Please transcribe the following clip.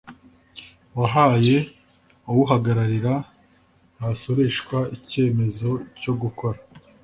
wahaye uwuhagararira abasoreshwa icyemezo cyo gukora